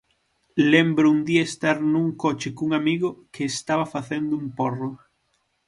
Lembro un día estar nun coche cun amigo, que estaba facendo un porro.